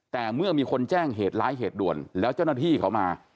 แต่เมื่อมีคนแจ้งเหตุร้ายเหตุด่วนแล้วเจ้าหน้าที่เขามา